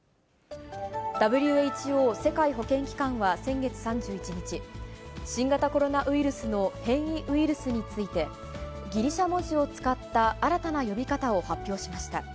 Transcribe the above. ＷＨＯ・世界保健機関は先月３１日、新型コロナウイルスの変異ウイルスについて、ギリシャ文字を使った新たな呼び方を発表しました。